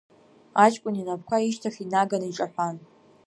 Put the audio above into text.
Аҷкәын инапқәа ишьҭахь инаганы иҿаҳәан.